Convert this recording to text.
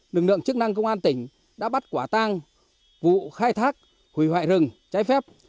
lực lượng chức năng công an tỉnh đã bắt quả tang vụ khai thác hủy hoại rừng trái phép